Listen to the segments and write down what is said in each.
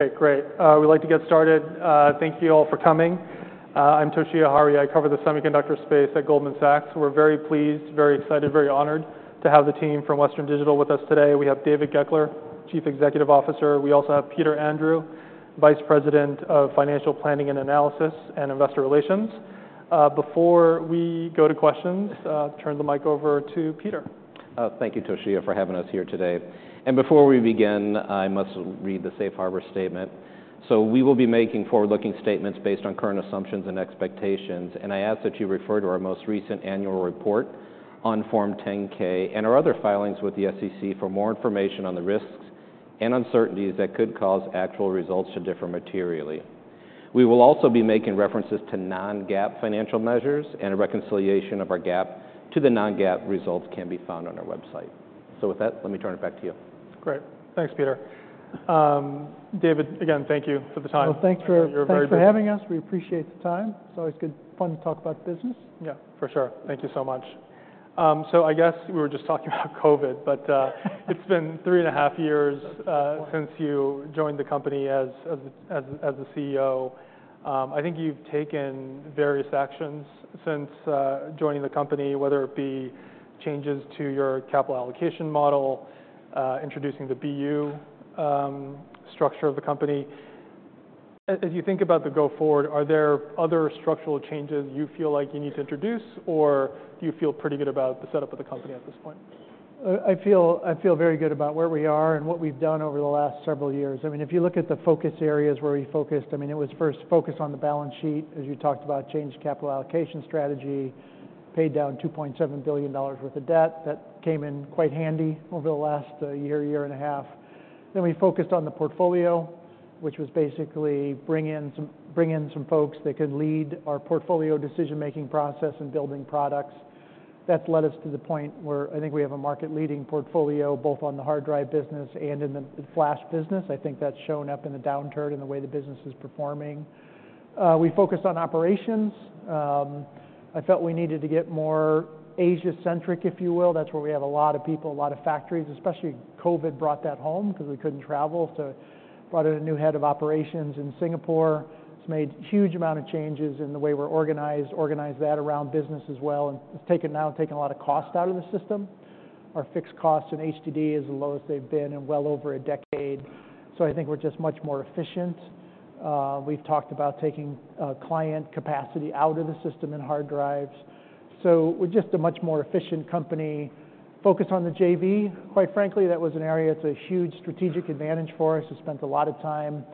Okay, great. We'd like to get started. Thank you all for coming. I'm Toshiya Hari, I cover the semiconductor space at Goldman Sachs. We're very pleased, very excited, very honored to have the team from Western Digital with us today. We have David Goeckeler, Chief Executive Officer. We also have Peter Andrew, Vice President of Financial Planning and Analysis, and Investor Relations. Before we go to questions, turn the mic over to Peter. Thank you, Toshiya, for having us here today. And before we begin, I must read the safe harbor statement. So we will be making forward-looking statements based on current assumptions and expectations, and I ask that you refer to our most recent annual report on Form 10-K and our other filings with the SEC for more information on the risks and uncertainties that could cause actual results to differ materially. We will also be making references to non-GAAP financial measures, and a reconciliation of our GAAP to the non-GAAP results can be found on our website. So with that, let me turn it back to you. Great. Thanks, Peter. David, again, thank you for the time. Well, thanks for- You're very- Thanks for having us. We appreciate the time. It's always good, fun to talk about business. Yeah, for sure. Thank you so much. So I guess we were just talking about COVID, but... it's been three and a half years. Yeah... since you joined the company as the CEO. I think you've taken various actions since joining the company, whether it be changes to your capital allocation model, introducing the BU structure of the company. As you think about the go forward, are there other structural changes you feel like you need to introduce, or do you feel pretty good about the setup of the company at this point? I feel, I feel very good about where we are and what we've done over the last several years. I mean, if you look at the focus areas where we focused, I mean, it was first focused on the balance sheet, as you talked about, change capital allocation strategy, paid down $2.7 billion worth of debt. That came in quite handy over the last year and a half. Then we focused on the portfolio, which was basically bring in some folks that could lead our portfolio decision-making process and building products. That's led us to the point where I think we have a market-leading portfolio, both on the hard drive business and in the flash business. I think that's shown up in the downturn in the way the business is performing. We focused on operations. I felt we needed to get more Asia-centric, if you will. That's where we have a lot of people, a lot of factories, especially COVID brought that home because we couldn't travel. So brought in a new head of operations in Singapore. It's made a huge amount of changes in the way we're organized, organized that around business as well, and it's taken a lot of cost out of the system. Our fixed costs in HDD is the lowest they've been in well over a decade. So I think we're just much more efficient. We've talked about taking client capacity out of the system in hard drives. So we're just a much more efficient company. Focused on the JV. Quite frankly, that was an area that's a huge strategic advantage for us. We spent a lot of time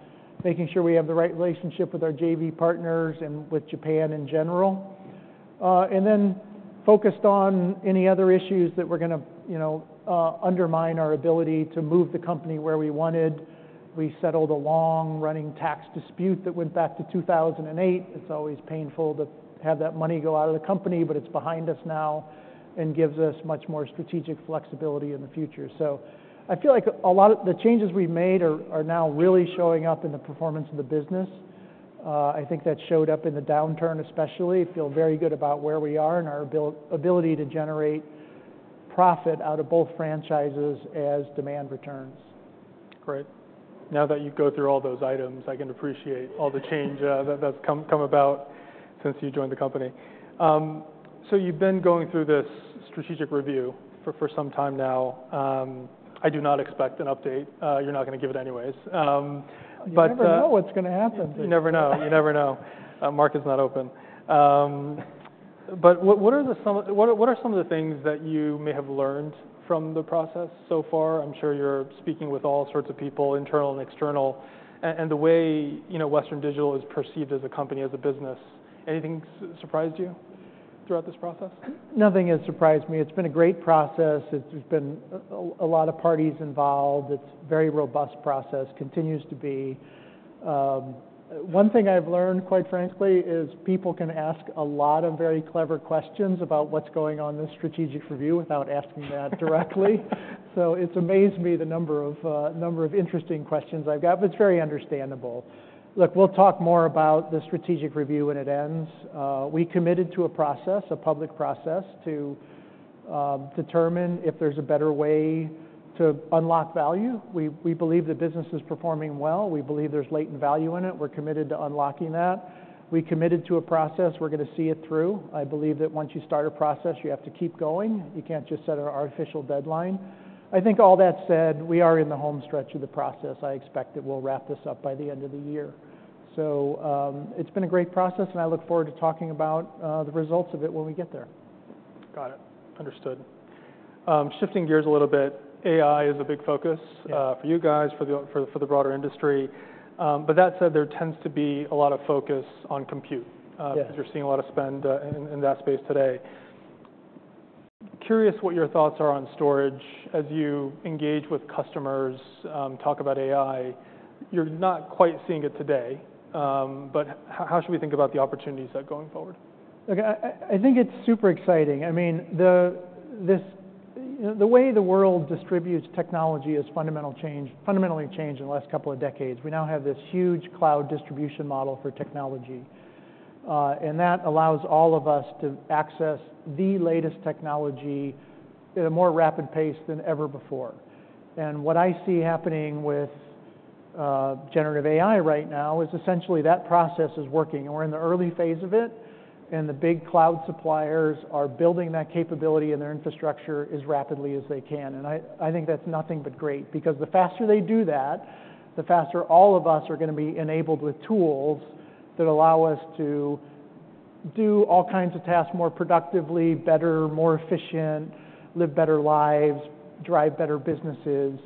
making sure we have the right relationship with our JV partners and with Japan in general. And then focused on any other issues that were going to, you know, undermine our ability to move the company where we wanted. We settled a long-running tax dispute that went back to 2008. It's always painful to have that money go out of the company, but it's behind us now and gives us much more strategic flexibility in the future. So I feel like a lot of the changes we've made are now really showing up in the performance of the business. I think that showed up in the downturn especially. Feel very good about where we are and our ability to generate profit out of both franchises as demand returns. Great. Now that you've gone through all those items, I can appreciate all the change that that's come about since you joined the company. So you've been going through this strategic review for some time now. I do not expect an update. You're not going to give it anyways, but You never know what's going to happen. You never know. You never know. Market's not open. But what are some of the things that you may have learned from the process so far? I'm sure you're speaking with all sorts of people, internal and external, and the way, you know, Western Digital is perceived as a company, as a business. Anything surprised you throughout this process? Nothing has surprised me. It's been a great process. It's been a lot of parties involved. It's very robust process, continues to be. One thing I've learned, quite frankly, is people can ask a lot of very clever questions about what's going on in the strategic review without asking that directly. So it's amazed me the number of interesting questions I've got, but it's very understandable. Look, we'll talk more about the strategic review when it ends. We committed to a process, a public process, to determine if there's a better way to unlock value. We believe the business is performing well. We believe there's latent value in it. We're committed to unlocking that. We committed to a process, we're going to see it through. I believe that once you start a process, you have to keep going. You can't just set an artificial deadline. I think all that said, we are in the home stretch of the process. I expect that we'll wrap this up by the end of the year. So, it's been a great process, and I look forward to talking about the results of it when we get there. Got it. Understood. Shifting gears a little bit, AI is a big focus- Yeah... for you guys, for the broader industry. But that said, there tends to be a lot of focus on compute- Yes... because you're seeing a lot of spend in that space today. Curious what your thoughts are on storage as you engage with customers, talk about AI. You're not quite seeing it today, but how should we think about the opportunities there going forward? Look, I think it's super exciting. I mean, you know, the way the world distributes technology is fundamentally changed in the last couple of decades. We now have this huge cloud distribution model for technology, and that allows all of us to access the latest technology at a more rapid pace than ever before. And what I see happening with generative AI right now is essentially that process is working, and we're in the early phase of it, and the big cloud suppliers are building that capability in their infrastructure as rapidly as they can. And I think that's nothing but great, because the faster they do that, the faster all of us are going to be enabled with tools that allow us to do all kinds of tasks more productively, better, more efficient, live better lives, drive better businesses.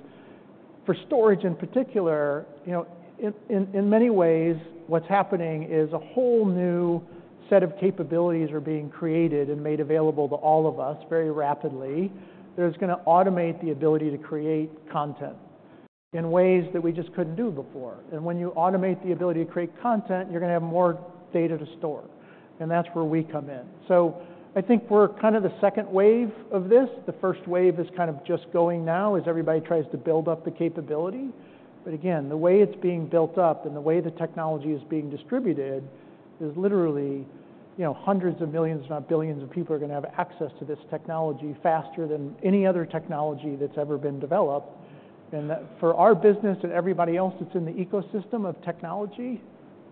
For storage, in particular, you know, in many ways, what's happening is a whole new set of capabilities are being created and made available to all of us very rapidly, that's going to automate the ability to create content in ways that we just couldn't do before. And when you automate the ability to create content, you're going to have more data to store, and that's where we come in. So I think we're kind of the second wave of this. The first wave is kind of just going now as everybody tries to build up the capability. But again, the way it's being built up and the way the technology is being distributed is literally, you know, hundreds of millions, if not billions, of people are going to have access to this technology faster than any other technology that's ever been developed. And that—for our business and everybody else that's in the ecosystem of technology,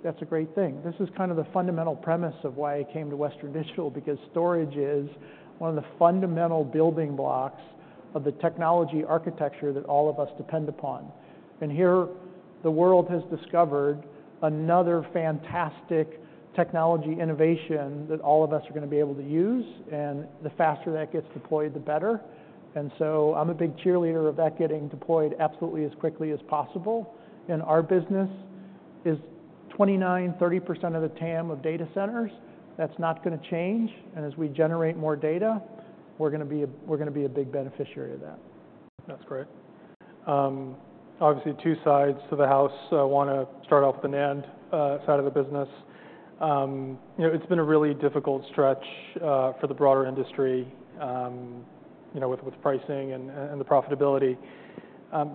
that's a great thing. This is kind of the fundamental premise of why I came to Western Digital, because storage is one of the fundamental building blocks of the technology architecture that all of us depend upon. Here, the world has discovered another fantastic technology innovation that all of us are going to be able to use, and the faster that gets deployed, the better. So I'm a big cheerleader of that getting deployed absolutely as quickly as possible. Our business is 29%-30% of the TAM of data centers. That's not going to change, and as we generate more data, we're going to be a, we're going to be a big beneficiary of that. That's great. Obviously, two sides to the house. So I want to start off with the NAND side of the business. You know, it's been a really difficult stretch for the broader industry, you know, with pricing and the profitability.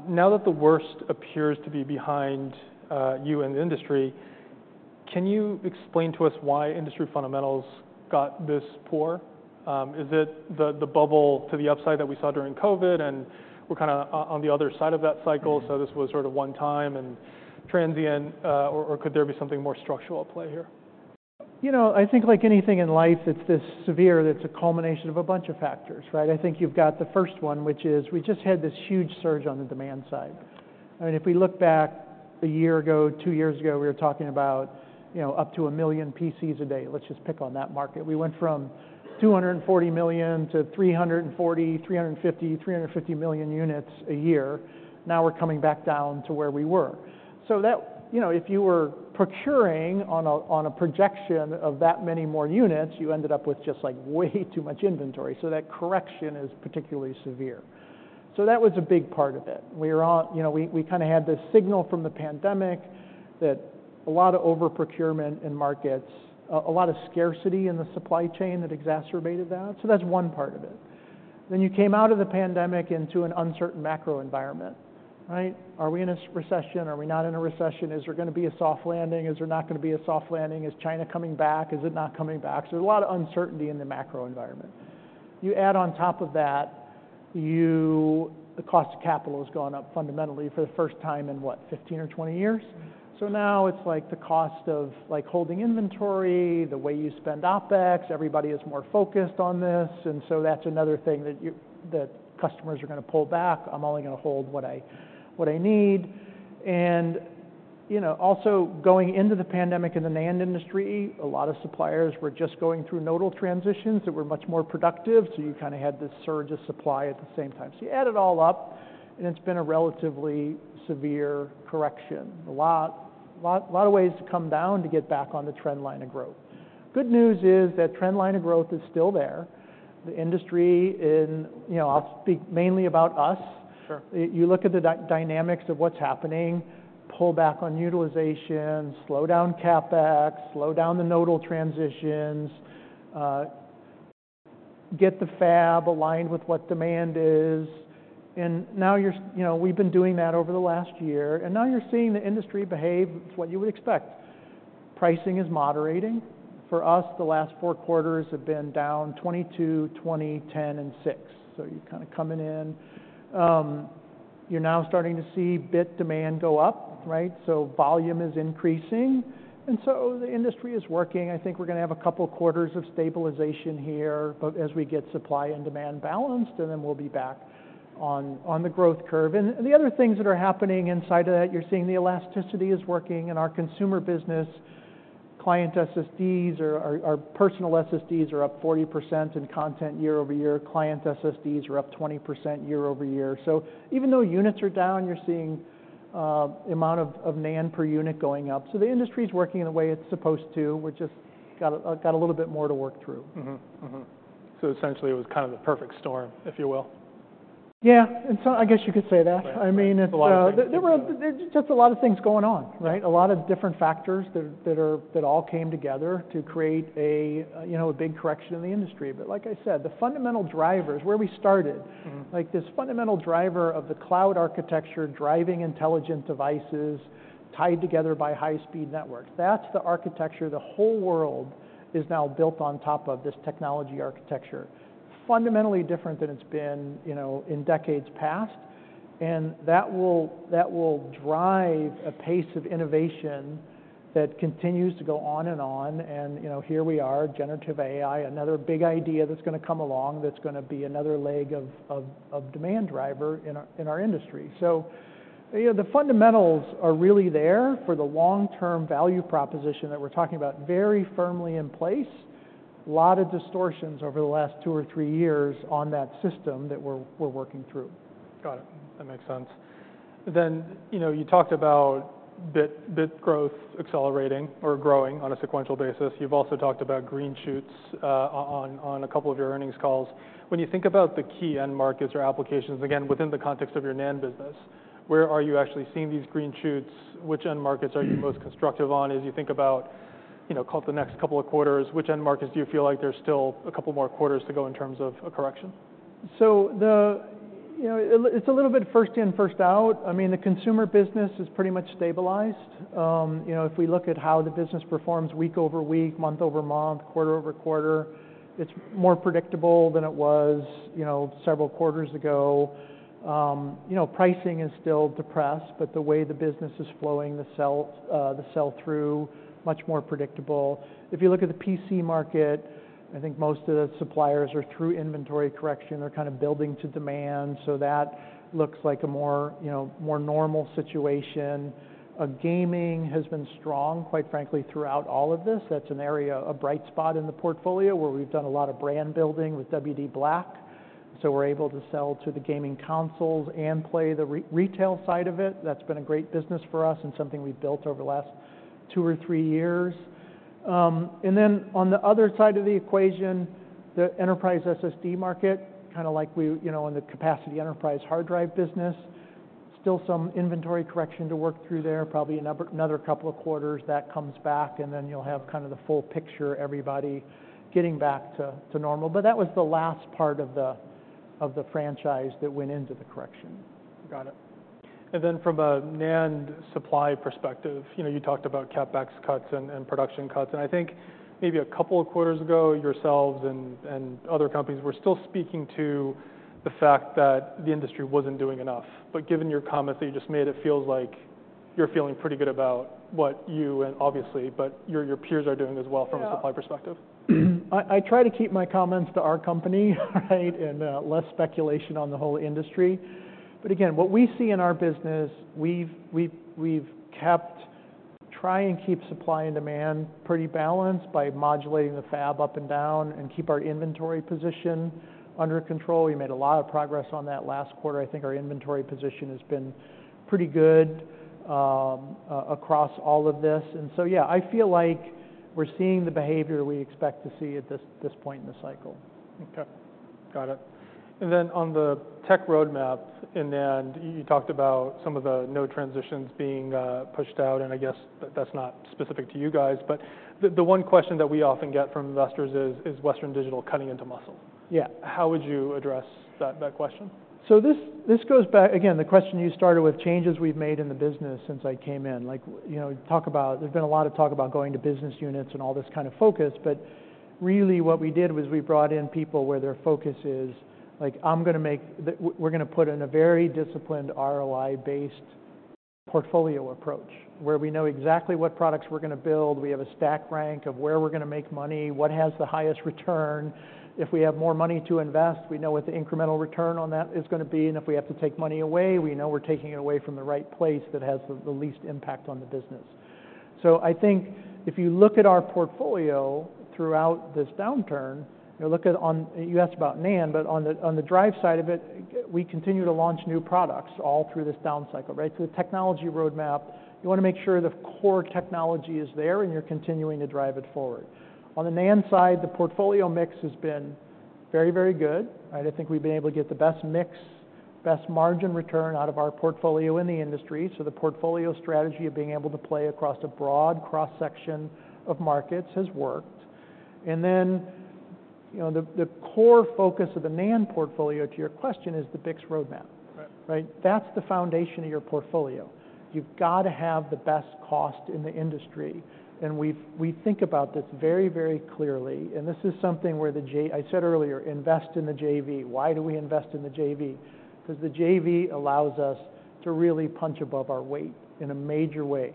Now that the worst appears to be behind you and the industry, can you explain to us why industry fundamentals got this poor? Is it the bubble to the upside that we saw during COVID, and we're kind of on the other side of that cycle, so this was sort of one time and transient, or could there be something more structural at play here? You know, I think like anything in life, it's this severe, that's a culmination of a bunch of factors, right? I think you've got the first one, which is we just had this huge surge on the demand side. I mean, if we look back a year ago, two years ago, we were talking about, you know, up to 1 million PCs a day. Let's just pick on that market. We went from 240 million to 340 million, 350 million, 350 million units a year. Now we're coming back down to where we were. So that. You know, if you were procuring on a, on a projection of that many more units, you ended up with just, like, way too much inventory. So that correction is particularly severe. So that was a big part of it. You know, we kind of had this signal from the pandemic that a lot of over-procurement in markets, a lot of scarcity in the supply chain that exacerbated that. So that's one part of it. Then you came out of the pandemic into an uncertain macro environment, right? Are we in a recession? Are we not in a recession? Is there going to be a soft landing? Is there not going to be a soft landing? Is China coming back? Is it not coming back? So there's a lot of uncertainty in the macro environment. You add on top of that, the cost of capital has gone up fundamentally for the first time in what, 15 or 20 years? So now it's like the cost of, like, holding inventory, the way you spend OpEx, everybody is more focused on this, and so that's another thing that customers are going to pull back. "I'm only going to hold what I, what I need." And, you know, also going into the pandemic in the NAND industry, a lot of suppliers were just going through nodal transitions that were much more productive, so you kind of had this surge of supply at the same time. So you add it all up, and it's been a relatively severe correction. A lot, a lot, a lot of ways to come down to get back on the trend line of growth. Good news is that trend line of growth is still there. The industry in... You know, I'll speak mainly about us. Sure. You look at the dynamics of what's happening, pull back on utilization, slow down CapEx, slow down the nodal transitions, get the fab aligned with what demand is, and now, you know, we've been doing that over the last year, and now you're seeing the industry behave what you would expect. Pricing is moderating. For us, the last four quarters have been down 22, 20, 10, and six. So you're kind of coming in. You're now starting to see bit demand go up, right? So volume is increasing, and so the industry is working. I think we're going to have a couple quarters of stabilization here, but as we get supply and demand balanced, and then we'll be back on the growth curve. And the other things that are happening inside of that, you're seeing the elasticity is working in our consumer business. Client SSDs or our personal SSDs are up 40% in content year-over-year. Client SSDs are up 20% year-over-year. So even though units are down, you're seeing the amount of NAND per unit going up. So the industry is working in the way it's supposed to. We've just got a little bit more to work through. Mm-hmm. Mm-hmm. So essentially, it was kind of the perfect storm, if you will? Yeah, and so I guess you could say that. Right. I mean, it's- A lot of things-... There were, there's just a lot of things going on, right? A lot of different factors that all came together to create a, you know, a big correction in the industry. But like I said, the fundamental drivers, where we started- Mm-hmm... like this fundamental driver of the cloud architecture, driving intelligent devices, tied together by high-speed networks. That's the architecture. The whole world is now built on top of this technology architecture.... fundamentally different than it's been, you know, in decades past, and that will drive a pace of innovation that continues to go on and on. And, you know, here we are, generative AI, another big idea that's gonna come along, that's gonna be another leg of demand driver in our industry. So, you know, the fundamentals are really there for the long-term value proposition that we're talking about, very firmly in place. A lot of distortions over the last two or three years on that system that we're working through. Got it. That makes sense. Then, you know, you talked about bit growth accelerating or growing on a sequential basis. You've also talked about green shoots on a couple of your earnings calls. When you think about the key end markets or applications, again, within the context of your NAND business, where are you actually seeing these green shoots? Which end markets are you most constructive on as you think about, you know, call it the next couple of quarters, which end markets do you feel like there's still a couple more quarters to go in terms of a correction? So, you know, it's a little bit first-in, first-out. I mean, the consumer business is pretty much stabilized. You know, if we look at how the business performs week-over-week, month-over-month, quarter-over-quarter, it's more predictable than it was, you know, several quarters ago. You know, pricing is still depressed, but the way the business is flowing, the sell-through, much more predictable. If you look at the PC market, I think most of the suppliers are through inventory correction. They're kind of building to demand, so that looks like a more, you know, more normal situation. Gaming has been strong, quite frankly, throughout all of this. That's an area, a bright spot in the portfolio, where we've done a lot of brand building with WD_BLACK. So we're able to sell to the gaming consoles and play the retail side of it. That's been a great business for us and something we've built over the last 2 or 3 years. And then on the other side of the equation, the enterprise SSD market, kinda like we, you know, in the capacity enterprise hard drive business, still some inventory correction to work through there. Probably another couple of quarters, that comes back, and then you'll have kind of the full picture, everybody getting back to normal. But that was the last part of the franchise that went into the correction. Got it. And then from a NAND supply perspective, you know, you talked about CapEx cuts and, and production cuts, and I think maybe a couple of quarters ago, yourselves and, and other companies were still speaking to the fact that the industry wasn't doing enough. But given your comments that you just made, it feels like you're feeling pretty good about what you, and obviously, but your, your peers are doing as well- Yeah... from a supply perspective. I try to keep my comments to our company, right? And less speculation on the whole industry. But again, what we see in our business, we've kept trying to keep supply and demand pretty balanced by modulating the fab up and down and keep our inventory position under control. We made a lot of progress on that last quarter. I think our inventory position has been pretty good, across all of this. And so, yeah, I feel like we're seeing the behavior we expect to see at this point in the cycle. Okay. Got it. And then on the tech roadmap in NAND, you talked about some of the node transitions being pushed out, and I guess that's not specific to you guys. But the one question that we often get from investors is, is Western Digital cutting into muscle? Yeah. How would you address that, that question? So this goes back, again, the question you started with, changes we've made in the business since I came in. Like, you know, talk about-- there's been a lot of talk about going to business units and all this kind of focus, but really what we did was we brought in people where their focus is like: I'm gonna make the-- W- we're gonna put in a very disciplined ROI-based portfolio approach, where we know exactly what products we're gonna build. We have a stack rank of where we're gonna make money, what has the highest return. If we have more money to invest, we know what the incremental return on that is gonna be, and if we have to take money away, we know we're taking it away from the right place that has the least impact on the business. So I think if you look at our portfolio throughout this downturn, you know, look at, you asked about NAND, but on the drive side of it, we continue to launch new products all through this down cycle, right? So the technology roadmap, you wanna make sure the core technology is there, and you're continuing to drive it forward. On the NAND side, the portfolio mix has been very, very good, and I think we've been able to get the best mix, best margin return out of our portfolio in the industry. So the portfolio strategy of being able to play across a broad cross-section of markets has worked. And then, you know, the core focus of the NAND portfolio, to your question, is the BiCS roadmap. Right. Right? That's the foundation of your portfolio. You've got to have the best cost in the industry, and we think about this very, very clearly, and this is something where the JV. I said earlier, invest in the JV. Why do we invest in the JV? 'Cause the JV allows us to really punch above our weight in a major way.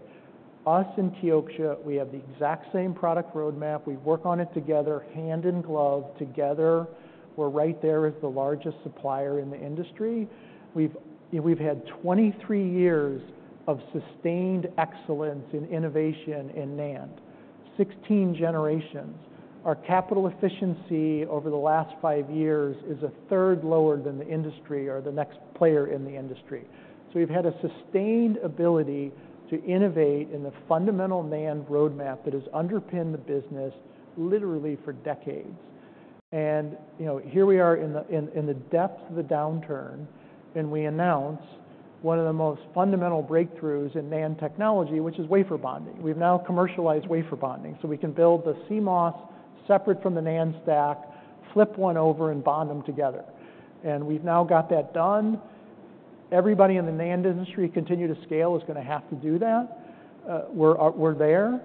Us and Kioxia, we have the exact same product roadmap. We work on it together, hand in glove, together. We're right there as the largest supplier in the industry. We've, you know, we've had 23 years of sustained excellence in innovation in NAND, 16 generations. Our capital efficiency over the last 5 years is a third lower than the industry or the next player in the industry. So we've had a sustained ability to innovate in the fundamental NAND roadmap that has underpinned the business literally for decades. You know, here we are in the depth of the downturn, and we announce one of the most fundamental breakthroughs in NAND technology, which is wafer bonding. We've now commercialized wafer bonding, so we can build the CMOS separate from the NAND stack, flip one over, and bond them together. And we've now got that done. Everybody in the NAND industry continue to scale is going to have to do that. We're there.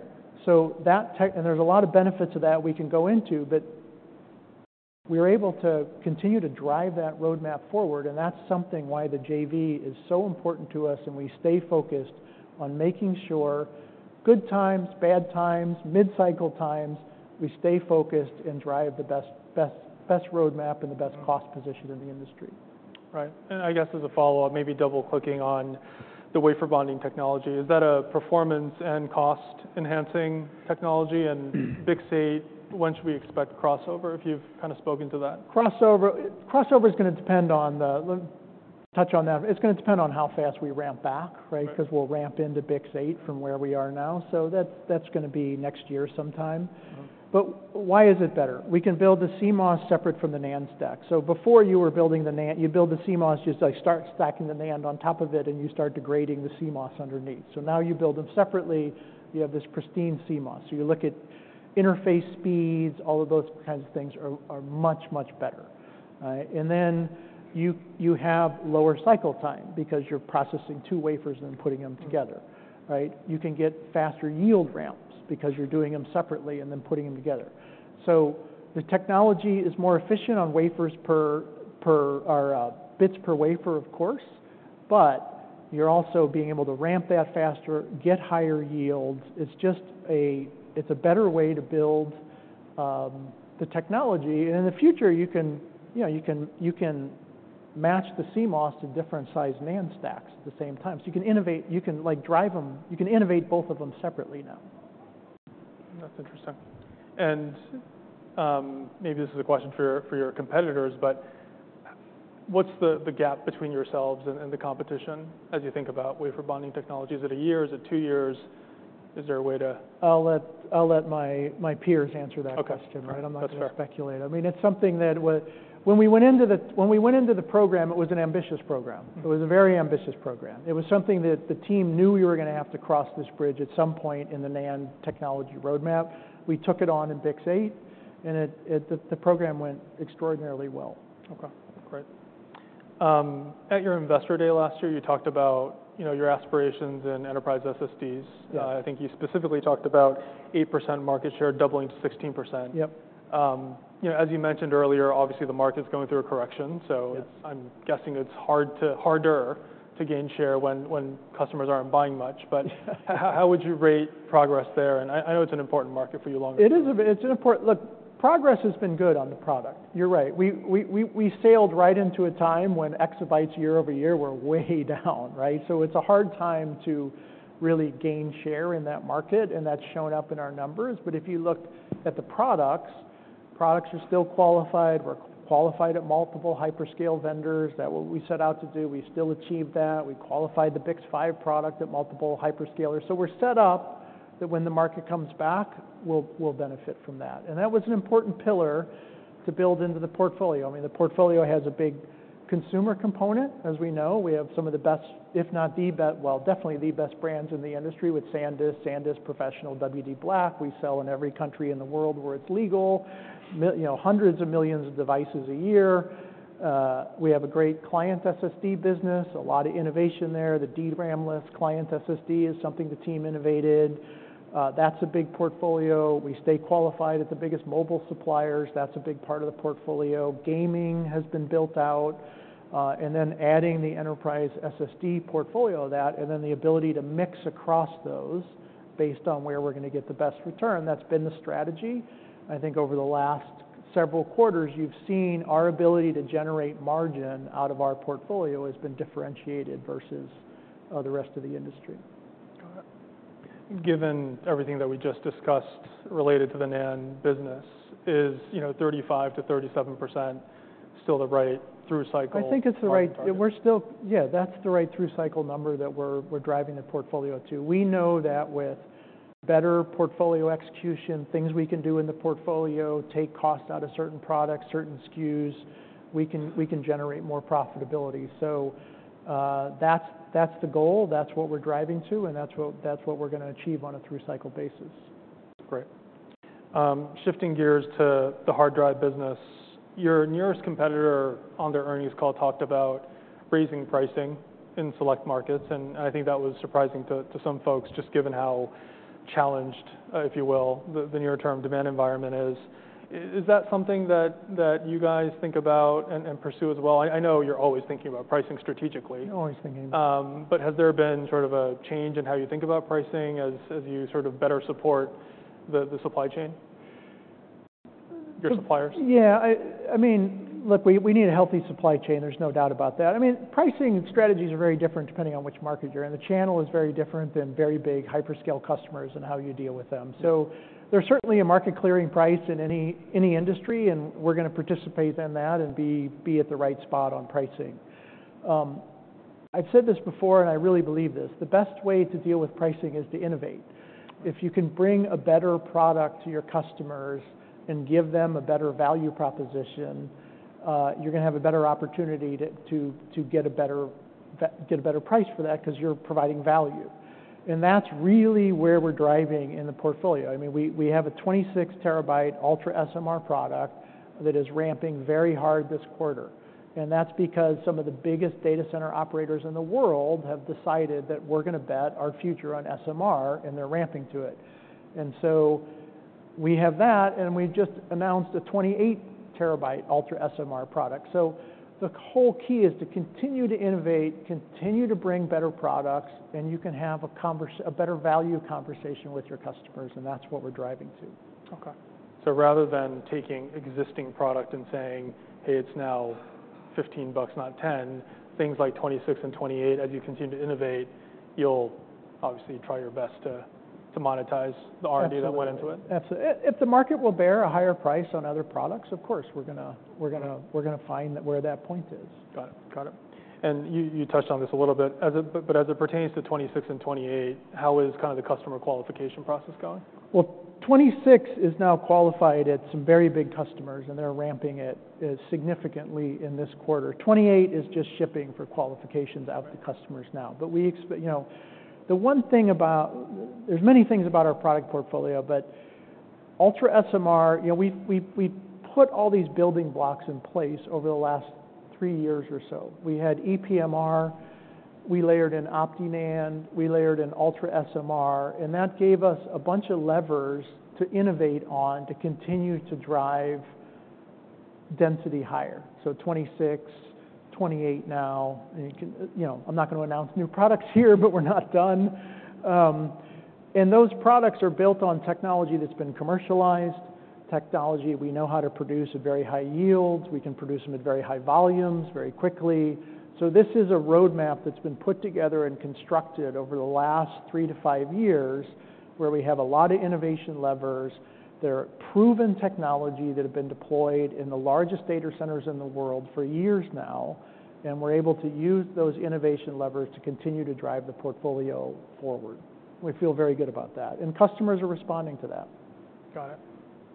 So that and there's a lot of benefits of that we can go into, but we're able to continue to drive that roadmap forward, and that's something why the JV is so important to us. And we stay focused on making sure good times, bad times, mid-cycle times, we stay focused and drive the best, best, best roadmap and the best cost position in the industry. Right. I guess as a follow-up, maybe double-clicking on the wafer bonding technology, is that a performance and cost-enhancing technology? Mm-hmm. BiCS8, when should we expect crossover, if you've kind of spoken to that? Crossover, crossover is going to depend on the - touch on that. It's going to depend on how fast we ramp back, right? Right. Because we'll ramp into BiCS8 from where we are now, so that, that's going to be next year sometime. Mm-hmm. But why is it better? We can build the CMOS separate from the NAND stack. So before you were building the NAND, you build the CMOS, just, like, start stacking the NAND on top of it, and you start degrading the CMOS underneath. So now you build them separately, you have this pristine CMOS. So you look at interface speeds, all of those kinds of things are much, much better, right? And then you have lower cycle time because you're processing two wafers and then putting them together, right? You can get faster yield ramps because you're doing them separately and then putting them together. So the technology is more efficient on wafers per or bits per wafer, of course, but you're also being able to ramp that faster, get higher yields. It's just a better way to build the technology. In the future, you can, you know, you can, you can match the CMOS to different size NAND stacks at the same time. So you can innovate, you can, like, drive them, you can innovate both of them separately now. That's interesting. And, maybe this is a question for your competitors, but what's the gap between yourselves and the competition as you think about wafer bonding technologies? Is it a year, is it two years? Is there a way to- I'll let my peers answer that question, right? Okay. That's fair. I'm not going to speculate. I mean, it's something that when we went into the program, it was an ambitious program. Mm-hmm. It was a very ambitious program. It was something that the team knew we were going to have to cross this bridge at some point in the NAND technology roadmap. We took it on in BiCS8, and it, the program went extraordinarily well. Okay, great. At your Investor Day last year, you talked about, you know, your aspirations in enterprise SSDs. Yes. I think you specifically talked about 8% market share doubling to 16%. Yep. you know, as you mentioned earlier, obviously, the market's going through a correction. Yes. I'm guessing it's harder to gain share when customers aren't buying much. But how would you rate progress there? And I know it's an important market for you longer-term. It's an important... Look, progress has been good on the product. You're right. We sailed right into a time when exabytes year-over-year were way down, right? So it's a hard time to really gain share in that market, and that's shown up in our numbers. But if you looked at the products, products are still qualified. We're qualified at multiple hyperscale vendors. That what we set out to do, we still achieved that. We qualified the BiCS5 product at multiple hyperscalers. So we're set up that when the market comes back, we'll benefit from that. And that was an important pillar to build into the portfolio. I mean, the portfolio has a big consumer component, as we know. We have some of the best, if not the best, well, definitely the best brands in the industry with SanDisk, SanDisk Professional, WD_BLACK. We sell in every country in the world where it's legal, you know, hundreds of millions of devices a year. We have a great client SSD business, a lot of innovation there. The DRAM-less client SSD is something the team innovated. That's a big portfolio. We stay qualified at the biggest mobile suppliers. That's a big part of the portfolio. Gaming has been built out, and then adding the enterprise SSD portfolio to that, and then the ability to mix across those based on where we're going to get the best return, that's been the strategy. I think over the last several quarters, you've seen our ability to generate margin out of our portfolio has been differentiated versus the rest of the industry. Got it. Given everything that we just discussed related to the NAND business, is, you know, 35%-37% still the right through-cycle- I think it's the right- market target? We're still... Yeah, that's the right through-cycle number that we're driving the portfolio to. We know that with better portfolio execution, things we can do in the portfolio, take cost out of certain products, certain SKUs, we can generate more profitability. So, that's the goal, that's what we're driving to, and that's what we're going to achieve on a through-cycle basis. Great. Shifting gears to the hard drive business. Your nearest competitor on their earnings call talked about raising pricing in select markets, and I think that was surprising to some folks, just given how challenged, if you will, the near-term demand environment is. Is that something that you guys think about and pursue as well? I know you're always thinking about pricing strategically. Always thinking. But has there been sort of a change in how you think about pricing as, as you sort of better support the, the supply chain, your suppliers? Yeah, I mean, look, we need a healthy supply chain. There's no doubt about that. I mean, pricing strategies are very different depending on which market you're in. The channel is very different than very big hyperscale customers and how you deal with them. Mm-hmm. So there's certainly a market clearing price in any industry, and we're going to participate in that and be at the right spot on pricing. I've said this before, and I really believe this: the best way to deal with pricing is to innovate. If you can bring a better product to your customers and give them a better value proposition, you're going to have a better opportunity to get a better price for that because you're providing value... and that's really where we're driving in the portfolio. I mean, we have a 26 TB UltraSMR product that is ramping very hard this quarter, and that's because some of the biggest data center operators in the world have decided that we're going to bet our future on SMR, and they're ramping to it. And so we have that, and we just announced a 28 TB UltraSMR product. So the whole key is to continue to innovate, continue to bring better products, and you can have a better value conversation with your customers, and that's what we're driving to. Okay. So rather than taking existing product and saying, "Hey, it's now $15, not $10," things like 26 and 28, as you continue to innovate, you'll obviously try your best to monetize the R&D- Absolutely... that went into it? If the market will bear a higher price on other products, of course, we're going to find where that point is. Got it. Got it. And you touched on this a little bit, but as it pertains to 26 and 28, how is kind of the customer qualification process going? Well, 26 is now qualified at some very big customers, and they're ramping it, it significantly in this quarter. 28 is just shipping for qualifications- Right... out to customers now. But we, you know, the one thing about... There's many things about our product portfolio, but UltraSMR, you know, we put all these building blocks in place over the last three years or so. We had ePMR, we layered in OptiNAND, we layered in UltraSMR, and that gave us a bunch of levers to innovate on, to continue to drive density higher, so 26, 28 now. And, you can, you know, I'm not going to announce new products here, but we're not done. And those products are built on technology that's been commercialized, technology we know how to produce at very high yields. We can produce them at very high volumes very quickly. So this is a roadmap that's been put together and constructed over the last three to five years, where we have a lot of innovation levers. They're proven technology that have been deployed in the largest data centers in the world for years now, and we're able to use those innovation levers to continue to drive the portfolio forward. We feel very good about that, and customers are responding to that. Got it.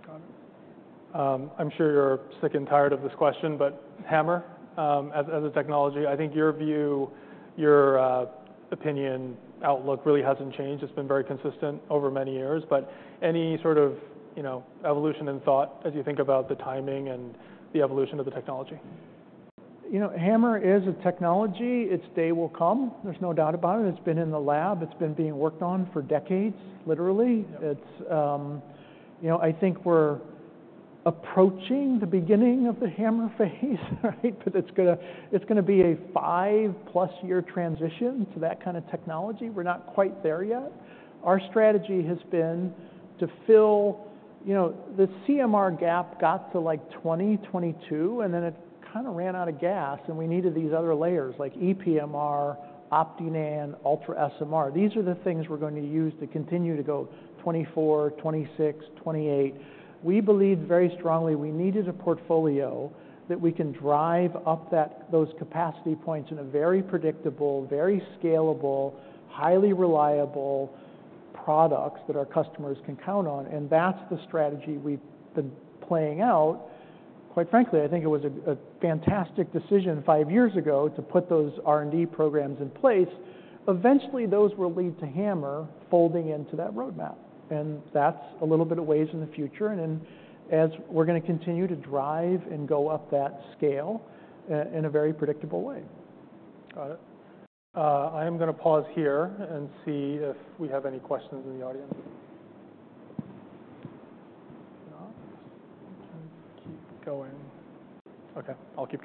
Got it. I'm sure you're sick and tired of this question, but HAMR, as, as a technology, I think your view, your, opinion, outlook really hasn't changed. It's been very consistent over many years, but any sort of, you know, evolution in thought as you think about the timing and the evolution of the technology? You know, HAMR is a technology. Its day will come, there's no doubt about it. It's been in the lab. It's been being worked on for decades, literally. Yeah. It's. You know, I think we're approaching the beginning of the HAMR phase, right? But it's going to be a five-plus year transition to that kind of technology. We're not quite there yet. Our strategy has been to fill, you know, the CMR gap got to, like, 20, 22, and then it kind of ran out of gas, and we needed these other layers, like ePMR, OptiNAND, UltraSMR. These are the things we're going to use to continue to go 24, 26, 28. We believed very strongly we needed a portfolio that we can drive up that, those capacity points in a very predictable, very scalable, highly reliable products that our customers can count on, and that's the strategy we've been playing out. Quite frankly, I think it was a fantastic decision five years ago to put those R&D programs in place. Eventually, those will lead to HAMR folding into that roadmap, and that's a little bit of ways in the future, and then as we're going to continue to drive and go up that scale in a very predictable way. Got it. I am going to pause here and see if we have any questions in the audience. If not, I'll keep going. Okay, I'll keep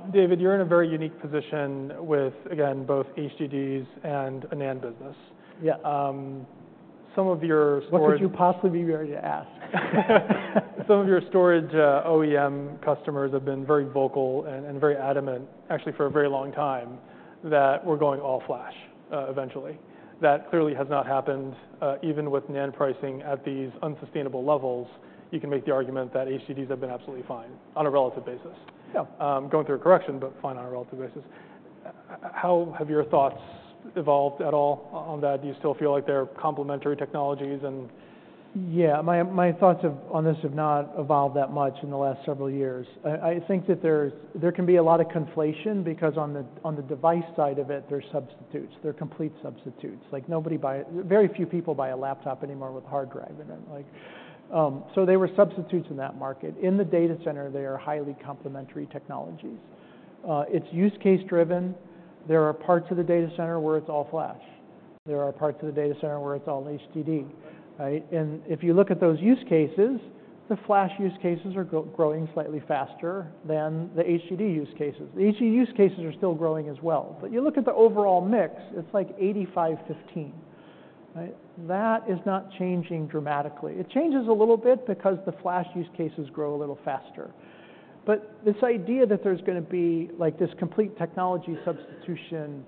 going. David, you're in a very unique position with, again, both HDDs and a NAND business. Yeah. some of your storage- What could you possibly be ready to ask? Some of your storage OEM customers have been very vocal and very adamant, actually for a very long time, that we're going all flash eventually. That clearly has not happened. Even with NAND pricing at these unsustainable levels, you can make the argument that HDDs have been absolutely fine on a relative basis. Yeah. Going through a correction, but fine on a relative basis. How have your thoughts evolved at all on that? Do you still feel like they're complementary technologies, and... Yeah, my thoughts on this have not evolved that much in the last several years. I think that there can be a lot of conflation because on the device side of it, they're substitutes. They're complete substitutes. Like, very few people buy a laptop anymore with a hard drive in it. Like, so they were substitutes in that market. In the data center, they are highly complementary technologies. It's use case driven. There are parts of the data center where it's all flash. There are parts of the data center where it's all HDD, right? And if you look at those use cases, the flash use cases are growing slightly faster than the HDD use cases. The HDD use cases are still growing as well, but you look at the overall mix, it's like 85-15, right? That is not changing dramatically. It changes a little bit because the flash use cases grow a little faster. But this idea that there's going to be, like, this complete technology substitution,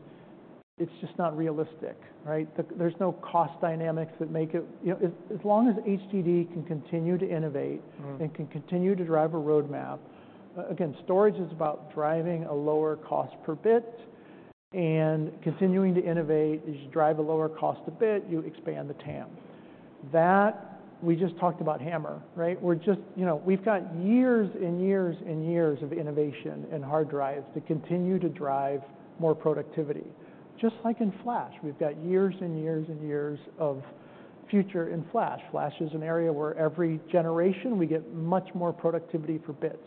it's just not realistic, right? There's no cost dynamics that make it... You know, as long as HDD can continue to innovate- Mm... and can continue to drive a roadmap, again, storage is about driving a lower cost per bit and continuing to innovate. As you drive a lower cost per bit, you expand the TAM.... That, we just talked about HAMR, right? We're just, you know, we've got years and years and years of innovation in hard drives to continue to drive more productivity. Just like in flash, we've got years and years and years of future in flash. Flash is an area where every generation, we get much more productivity for bits.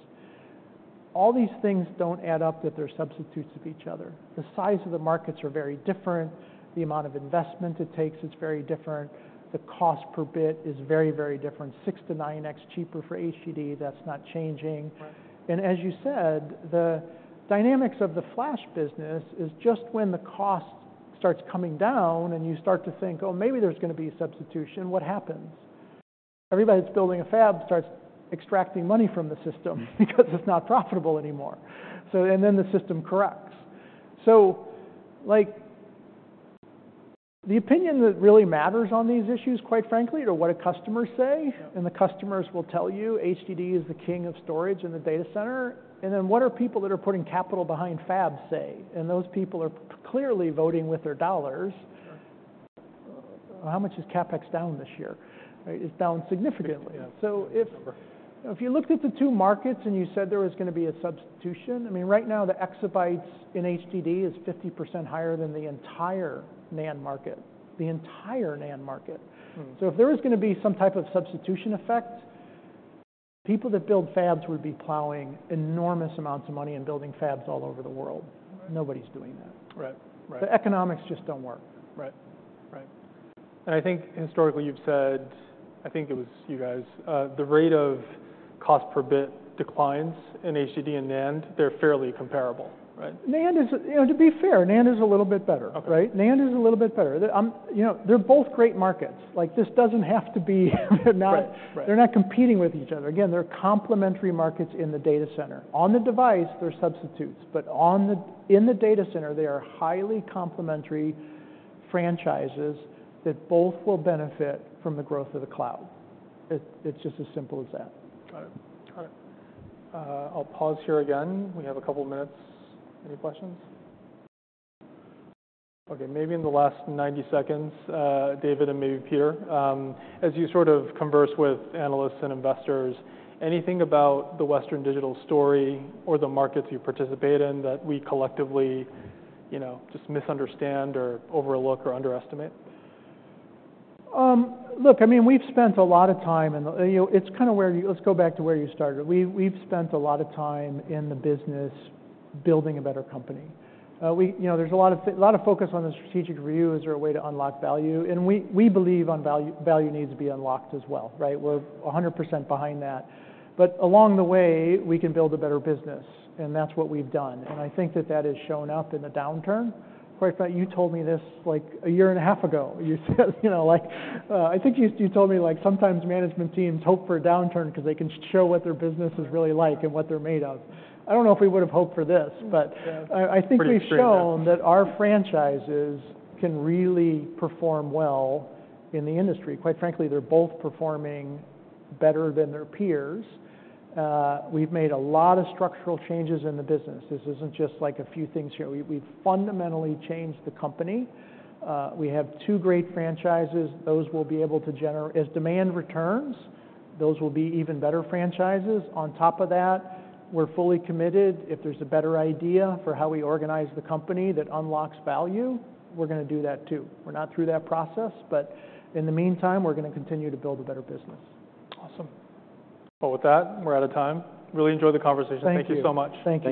All these things don't add up that they're substitutes of each other. The size of the markets are very different, the amount of investment it takes, it's very different. The cost per bit is very, very different, 6-9x cheaper for HDD, that's not changing. Right. As you said, the dynamics of the flash business is just when the cost starts coming down, and you start to think, "Oh, maybe there's gonna be a substitution," what happens? Everybody that's building a fab starts extracting money from the system because it's not profitable anymore. And then the system corrects. Like, the opinion that really matters on these issues, quite frankly, are what do customers say- Yeah... and the customers will tell you, HDD is the king of storage in the data center. And then, what are people that are putting capital behind fabs say, and those people are clearly voting with their dollars. Sure. How much is CapEx down this year, right? It's down significantly. Yeah. So if you looked at the two markets and you said there was gonna be a substitution, I mean, right now, the exabytes in HDD is 50% higher than the entire NAND market. The entire NAND market. Mm. So if there was gonna be some type of substitution effect, people that build fabs would be plowing enormous amounts of money and building fabs all over the world. Right. Nobody's doing that. Right. Right. The economics just don't work. Right. Right. And I think historically you've said, I think it was you guys, the rate of cost per bit declines in HDD and NAND, they're fairly comparable, right? NAND is, you know, to be fair, NAND is a little bit better. Okay. Right? NAND is a little bit better. They, you know, they're both great markets, like, this doesn't have to be, they're not- Right, right. They're not competing with each other. Again, they're complementary markets in the data center. On the device, they're substitutes, but on the, in the data center, they are highly complementary franchises that both will benefit from the growth of the cloud. It, it's just as simple as that. Got it. All right. I'll pause here again. We have a couple of minutes. Any questions? Okay, maybe in the last 90 seconds, David, and maybe Peter, as you sort of converse with analysts and investors, anything about the Western Digital story or the markets you participate in, that we collectively, you know, just misunderstand or overlook or underestimate? Look, I mean, we've spent a lot of time, and, you know, it's kind of where you. Let's go back to where you started. We, we've spent a lot of time in the business building a better company. We, you know, there's a lot of focus on the strategic review as our way to unlock value, and we, we believe on value needs to be unlocked as well, right? We're 100% behind that, but along the way, we can build a better business, and that's what we've done. Mm. I think that that has shown up in the downturn. Quite right, you told me this, like, a year and a half ago. You said, you know, like, I think you, you told me, like, sometimes management teams hope for a downturn because they can show what their business is really like- Mm... and what they're made of. I don't know if we would have hoped for this, but- Yeah... I think we've shown- Pretty extreme, yeah.... that our franchises can really perform well in the industry. Quite frankly, they're both performing better than their peers. We've made a lot of structural changes in the business. This isn't just, like, a few things here. We, we've fundamentally changed the company. We have two great franchises. Those will be able to as demand returns, those will be even better franchises. On top of that, we're fully committed, if there's a better idea for how we organize the company that unlocks value, we're gonna do that, too. We're not through that process, but in the meantime, we're gonna continue to build a better business. Awesome. Well, with that, we're out of time. Really enjoyed the conversation. Thank you. Thank you so much. Thank you.